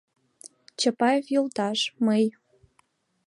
— Чапаев йолташ, мый...